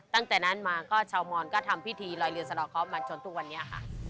ตั้งแต่นั้นมาก็ชาวมอนก็ทำพิธีลอยเรือสะดอกเคาะมาจนทุกวันนี้ค่ะ